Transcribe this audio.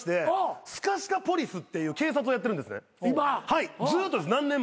はいずっとです何年も。